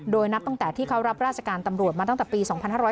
โดยนับตั้งแต่ที่เขารับราชการตำรวจมาตั้งแต่ปี๒๕๕๙